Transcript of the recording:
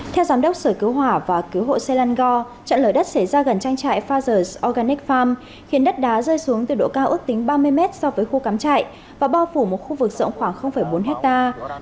theo giám đốc sở cứu hỏa và cứu hộ selangor trận lửa đất xảy ra gần tranh trại fathers organic farm khiến đất đá rơi xuống từ độ cao ước tính ba mươi mét so với khu cắm trại và bao phủ một khu vực rộng khoảng bốn hectare